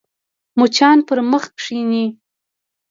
مچان پر مخ کښېني